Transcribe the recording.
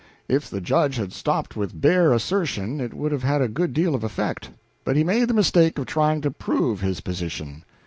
If the Judge had stopped with bare assertion, it would have had a good deal of effect; but he made the mistake of trying to prove his position.